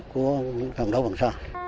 của trung quốc